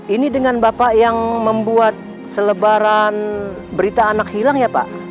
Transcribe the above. ini dengan bapak yang membuat selebaran berita anak hilang ya pak